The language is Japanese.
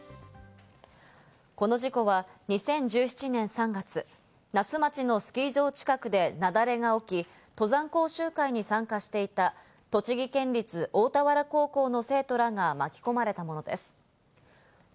この事故は２０１７年３月、那須町のスキー場近くで雪崩が起き、登山講習会に参加していた栃木県立大田原高校の生徒らが巻き込まれたものです。